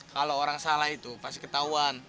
kalau orang salah itu pasti ketahuan